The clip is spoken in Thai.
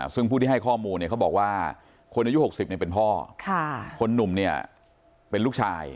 ซึ่งผู้ที่ให้ข้อมูลเนี่ยเขาบอกว่าคนอายุ๖๐เป็นพ่อคนหนุ่มเนี่ยเป็นลูกชาย